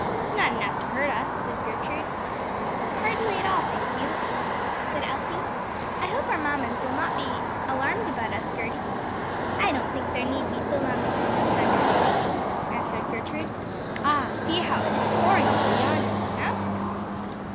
"Not enough to hurt us," said Gertrude. "Hardly at all, thank you," I said Elsie. "I hope our mammas will not be alarmed about us, Gerty." "I don't think they need be so long as there's no thunder and lightning," answered Gertrude. "Ah, see how it is pouring over yonder on the mountain, Elsie!"